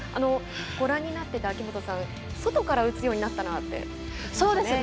ご覧になっていて、秋元さん外から打つようになったなって言ってましたね。